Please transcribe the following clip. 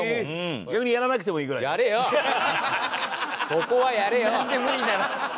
そこはやれよ！